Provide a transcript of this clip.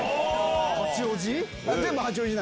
八王子？